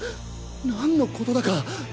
何のことだか。